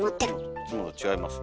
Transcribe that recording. いつもと違いますね。